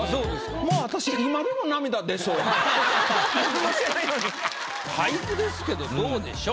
もう私俳句ですけどどうでしょう？